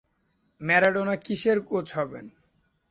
Maradona কিসের coach হবেন?